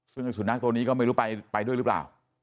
ซึ่งสุนัขตัวนี้ก็ไม่รู้ไปด้วยหรือเปล่า